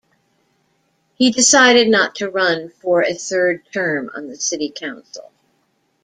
He decided not to run for a third term on the city council.